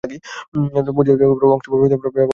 মসজিদের উপরের অংশ ব্যাপকভাবে ক্ষতিগ্রস্ত হয়ে গেছে।